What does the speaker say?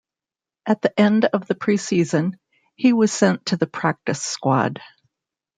At the end of the preseason, he was sent to the practice squad.